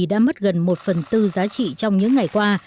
đã mất gần một phần tư giá trị trong những ngày qua